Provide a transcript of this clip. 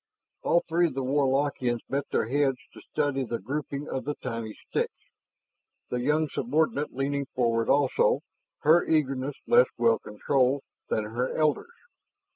All three of the Warlockians bent their heads to study the grouping of the tiny sticks, their young subordinate leaning forward also, her eagerness less well controlled than her elders'.